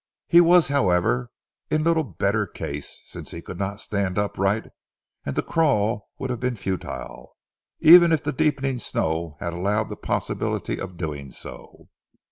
He was, however, in little better case, since he could not stand upright; and to crawl would have been futile, even if the deepening snow had allowed the possibility of doing so.